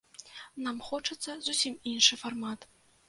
Нам хочацца зусім іншы фармат.